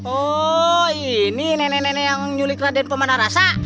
oh ini nenek nenek yang nyulik drain kemana rasa